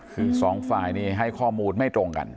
คือสองฝ่ายนี้ให้ข้อมูลไม่ตรงกัน